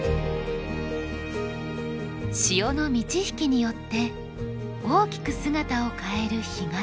潮の満ち引きによって大きく姿を変える干潟。